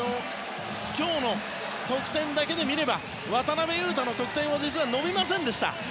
今日も得点だけで見れば渡邊雄太の得点は実は伸びませんでした。